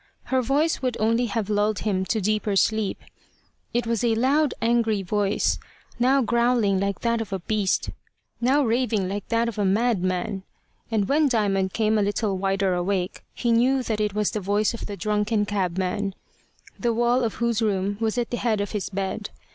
Her voice would only have lulled him the deeper asleep. It was a loud, angry voice, now growling like that of a beast, now raving like that of a madman; and when Diamond came a little wider awake, he knew that it was the voice of the drunken cabman, the wall of whose room was at the head of his bed.